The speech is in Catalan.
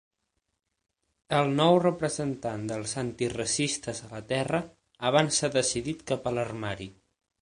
El nou representant dels antiracistes a la Terra avança decidit cap a l'armari.